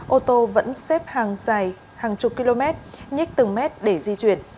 ô tô vẫn xếp hàng dài hàng chục km nhích từng mét để di chuyển